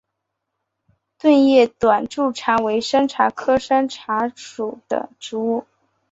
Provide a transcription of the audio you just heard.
钝叶短柱茶为山茶科山茶属的植物。